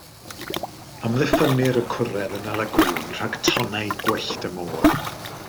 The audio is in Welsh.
Amddiffynnir y cwrel yn y lagŵn rhag tonnau gwyllt y môr.